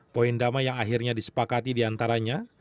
poin damai yang akhirnya disepakati diantaranya